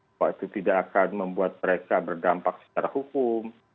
bahwa itu tidak akan membuat mereka berdampak secara hukum